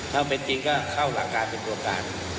ถ้าเป็นจริงก็เข้าหลักการเป็นตัวการ